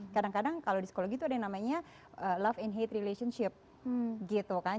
kadang kadang kalau di sekolah gitu ada yang namanya love and hate relationship gitu kan